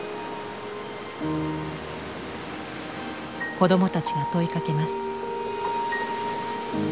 子どもたちが問いかけます。